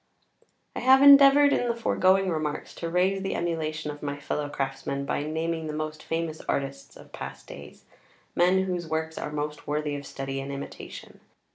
I have endeavoured in the foregoing remarks to raise the emulation of my fellow craftsmen by naming the most famous artists of past days; men whose works are most worthy of study and imitation.